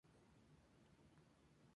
Estaba sola.